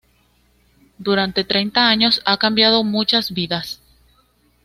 Durante treinta años ha cambiado muchas vidas.